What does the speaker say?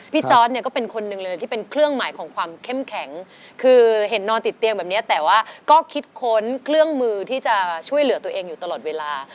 จอร์ดเนี่ยก็เป็นคนหนึ่งเลยที่เป็นเครื่องหมายของความเข้มแข็งคือเห็นนอนติดเตียงแบบนี้แต่ว่าก็คิดค้นเครื่องมือที่จะช่วยเหลือตัวเองอยู่ตลอดเวลา